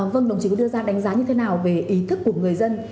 vâng đồng chí có đưa ra đánh giá như thế nào về ý thức của người dân